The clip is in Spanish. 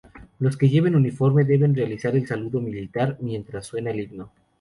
Los que lleven uniforme deben realizar el saludo militar mientras suena el himno.